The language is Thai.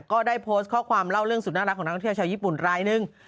ก็ได้โพสต์ข้อความเล่าเรื่องสุดน่ารักของนักท่องเที่ยวชาวญี่ปุ่นรายหนึ่ง